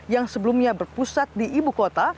yang sebelumnya berpusat di ibu kota